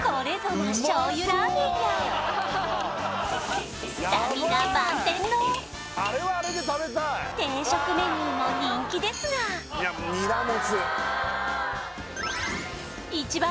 な醤油ラーメンやスタミナ満点の定食メニューも人気ですが週５で？